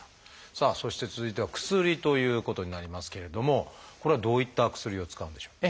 さあそして続いては「薬」ということになりますけれどもこれはどういった薬を使うんでしょう？